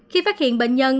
khi phát hiện bệnh nhân